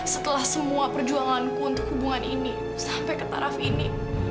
setelah semua perjuanganku untuk hubungan ini sampai ke taraf ini